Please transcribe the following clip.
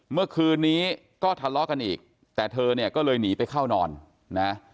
เมื่อคืนนี้ก็ทะเลาะกันอีกแต่เธอเนี่ยก็เลยหนีไปเข้านอนนะ